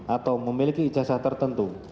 atau memiliki ijazah tertentu